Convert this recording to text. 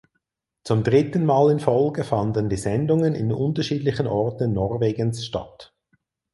Zum dritten Mal in Folge fanden die Sendungen in unterschiedlichen Orten Norwegens statt.